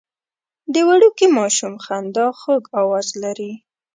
د وړوکي ماشوم خندا خوږ اواز لري.